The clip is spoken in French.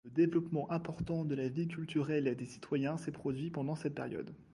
Le développement important de la vie culturelle des citoyens s'est produit pendant cette période.